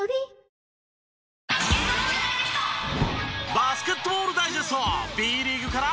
バスケットボールダイジェストＢリーグから。